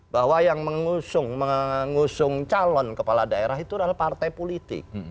bahwa yang mengusung calon kepala daerah itu adalah partai politik